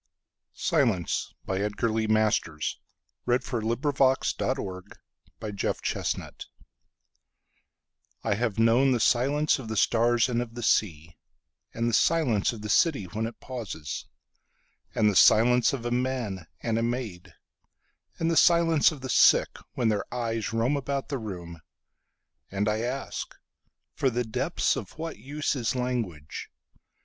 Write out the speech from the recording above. Silence By Edgar Lee Masters I HAVE known the silence of the stars and of the sea, And the silence of the city when it pauses, And the silence of a man and a maid, And the silence of the sickWhen their eyes roam about the room. And I ask: For the depthsOf what use is language?